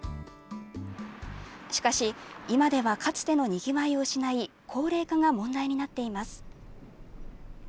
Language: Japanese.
しかし、今ではかつてのにぎわいを失い高齢化が問題になっています。